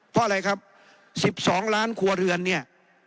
เพราะอะไรครับ๑๒ล้านครัวเรือนเนี่ย